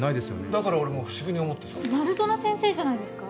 だから俺も不思議に思ってさ丸園先生じゃないですか？